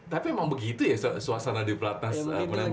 tapi emang begitu ya suasana di platnas menembak gitu